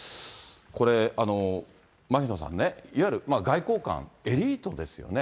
これ、牧野さんね、いわゆる外交官、エリートですよね。